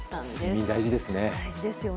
睡眠大事ですね。